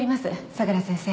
相良先生。